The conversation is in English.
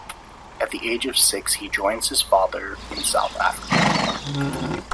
At the age of six he joins his father in South Africa.